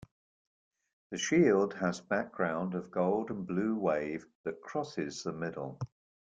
The shield has background of gold and a blue wave that crosses the middle.